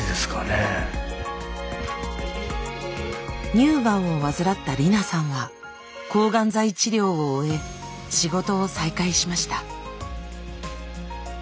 乳がんを患ったりなさんは抗がん剤治療を終え仕事を再開しました。